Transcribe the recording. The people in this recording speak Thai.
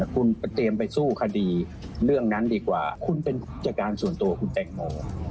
คุณเตรียมไปสู้คดีเรื่องนั้นดีกว่าคุณเป็นผู้จัดการส่วนตัวคุณแตงโม